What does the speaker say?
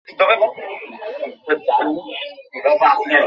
তার মাথায় ঠাডা পরুক!